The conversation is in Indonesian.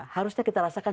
harusnya kita rasakan